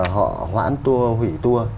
họ hoãn tour hủy tour